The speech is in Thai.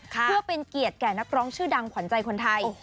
เพื่อเป็นเกียรติแก่นักร้องชื่อดังขวัญใจคนไทย